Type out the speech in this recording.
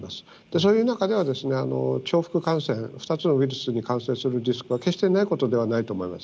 そういう中では、重複感染、２つのウイルスに感染するリスクは、決してないことではないと思います。